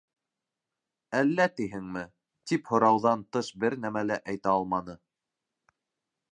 — Әллә, тиһеңме? — тип һорауҙан тыш бер нәмә лә әйтә алманы.